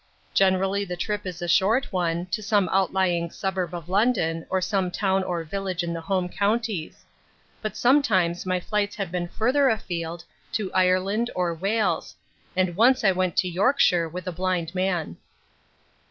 Generally the trip is a short one, to some outlying suburb of London or to some town or village in the home counties; but sometimes my flights have been further afield, to Ireland, or Wales; and once I went to Yorkshire with a blind man.